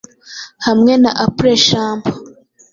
hamwe na “après shampoo”